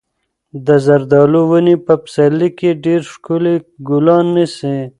د زردالو ونې په پسرلي کې ډېر ښکلي ګلان نیسي.